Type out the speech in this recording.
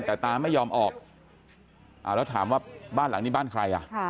แต่ตาไม่ยอมออกแล้วถามว่าบ้านหลังนี้บ้านใครอ่ะ